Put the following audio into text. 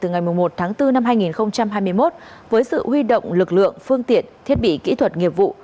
năm hai nghìn hai mươi một với sự huy động lực lượng phương tiện thiết bị kỹ thuật nghiệp vụ